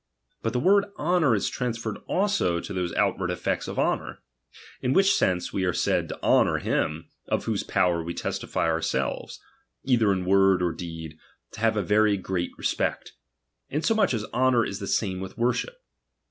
But the word ho nour is transferred also to those outward effects of honour ; in which sense, we are said to honour him, of whose power we testify ourselves, either in word or deed, to have a very great respect ; insomuch as honour is the same with tvorship.